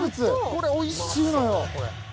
これおいしいのよ。